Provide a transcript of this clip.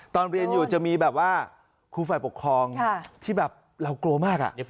ตอนเรียนอยู่จะมีแบบว่าครูฝ่ายปกครองที่แบบเรากลัวมาก